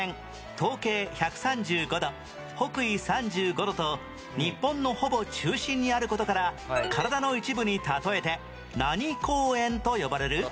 東経１３５度北緯３５度と日本のほぼ中心にある事から体の一部に例えて何公園と呼ばれる？